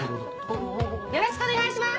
よろしくお願いします！